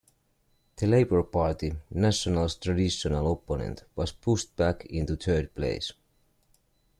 The Labour Party, National's traditional opponent, was pushed back into third place.